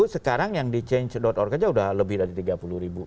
sekarang yang di change org aja udah lebih dari tiga puluh ribu